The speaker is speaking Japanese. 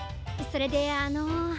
それであの。